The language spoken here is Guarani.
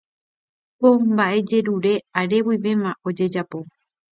Ko mbaʼejerure are guivéma ojejapo.